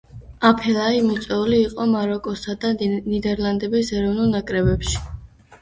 აფელაი მიწვეული იყო მაროკოსა და ნიდერლანდების ეროვნულ ნაკრებებში.